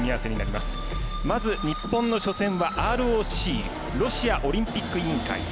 まず日本の初戦はＲＯＣ＝ロシアオリンピック委員会。